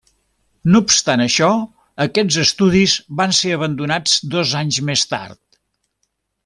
No obstant això, aquests estudis van ser abandonats dos anys més tard.